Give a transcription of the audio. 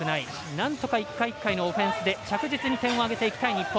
なんとか１回１回のオフェンスで着実に点を挙げていきたい日本。